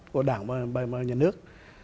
của đảng và nhà nước